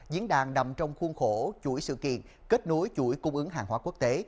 diễn đàn nằm trong khuôn khổ chuỗi sự kiện kết nối chuỗi cung ứng hàng hóa quốc tế